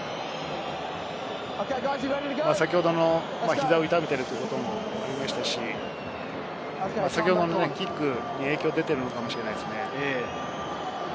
先ほどの膝を痛めているということもありましたし、キックに影響が出ているのかもしれないですね。